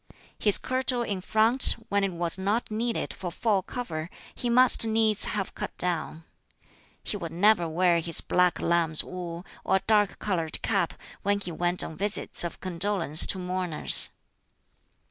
His kirtle in front, when it was not needed for full cover, he must needs have cut down. He would never wear his (black) lamb's wool, or a dark colored cap, when he went on visits of condolence to mourners.